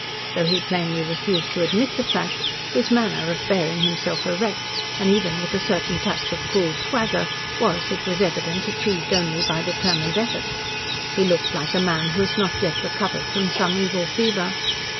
Though he plainly refused to admit the fact, his manner of bearing himself erect, and even with a certain touch of cool swagger, was, it was evident, achieved only by determined effort. He looked like a man who had not yet recovered from some evil fever.